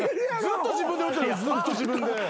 ずっと自分で打ってるずっと自分で。